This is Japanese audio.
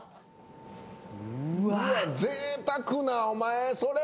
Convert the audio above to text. うわっぜいたくなお前それ。